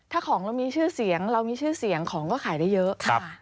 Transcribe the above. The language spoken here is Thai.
ถ้าของเรามีชื่อเสียงเรามีชื่อเสียงของก็ขายได้เยอะ